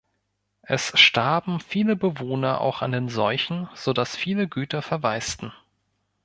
Es starben viele Bewohner auch an den Seuchen, so dass viele Güter verwaisten.